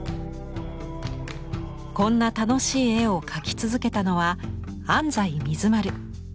こんな楽しい絵を描き続けたのは安西水丸。